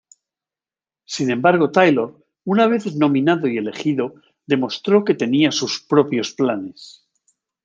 Sin embargo Taylor, una vez nominado y elegido, demostró que tenía sus propios planes.